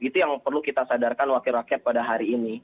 itu yang perlu kita sadarkan wakil rakyat pada hari ini